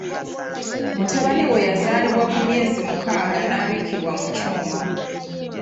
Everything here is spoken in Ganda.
Mutabani we yazaalibwa ku myezi mukaaga n'abikkibwa mu kyuma.